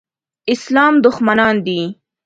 اسلام دښمنان دي.